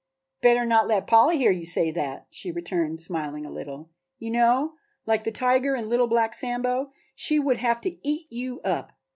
"Better not let Polly hear you say that," she returned, smiling a little. "You know, like the tiger in 'Little Black Sambo,' she would have to eat you up.